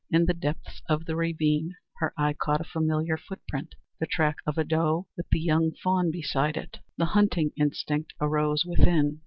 In the depths of the ravine her eye caught a familiar footprint the track of a doe with the young fawn beside it. The hunting instinct arose within.